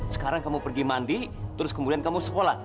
sekarang kamu pergi mandi terus kemudian kamu sekolah